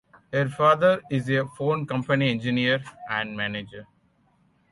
Her father is a phone company engineer and manager.